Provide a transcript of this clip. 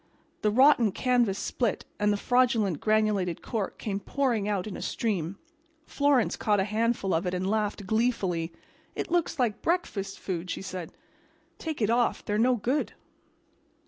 The rotten canvas split and the fraudulent granulated cork came pouring out in a stream. Florence caught a handful of it and laughed gleefully. "It looks like breakfast food," she said. "Take it off. They're no good."